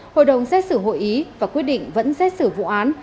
hội đồng xét xử hội ý và quyết định vẫn xét xử vụ án